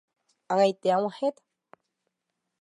Ag̃aite ag̃uahẽta.